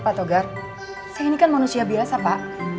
pak togar saya ini kan manusia biasa pak